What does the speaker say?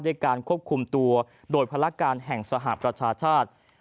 การควบคุมตัวโดยภารการแห่งสหประชาชาติ